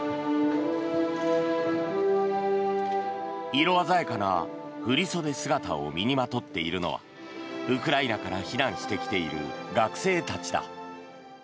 色鮮やかな振り袖姿を身にまとっているのはウクライナから避難してきている学生たちだ。